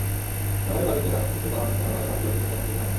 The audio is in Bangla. জামালের বাড়িতে ডাকাতি শেষে পালানোর সময় বাড়ির লোকজন চেঁচামেচি করতে থাকেন।